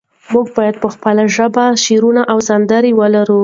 موږ په خپله ژبه شعرونه او سندرې لرو.